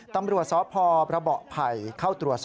ตำรวจศพพระบเหรอภัยเข้าตรวจสอบ